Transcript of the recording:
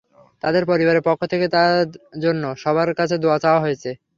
তাঁর পরিবারের পক্ষ থেকে তাঁর জন্য সবার কাছে দোয়া চাওয়া হয়েছে।